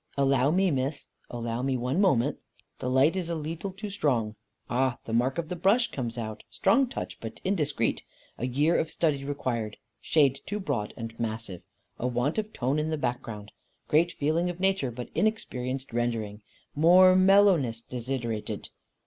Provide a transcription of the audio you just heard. "Allow me, Miss; allow me one moment. The light is a leetle too strong. Ah, the mark of the brush comes out. Strong touch, but indiscreet. A year of study required. Shade too broad and massive. A want of tone in the background. Great feeling of nature, but inexperienced rendering. More mellowness desiderated.